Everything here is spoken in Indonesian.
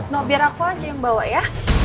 no biar aku aja yang bawa ya